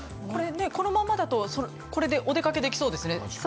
このままだとお出かけできそうですよね。